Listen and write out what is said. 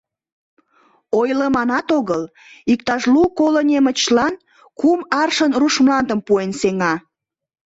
Ойлыманат огыл, иктаж лу-коло немычлан кум аршын руш мландым пуэн сеҥа.